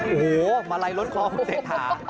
โอ้โหมาลัยล้นคอคุณเศรษฐา